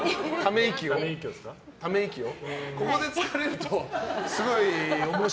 ため息を？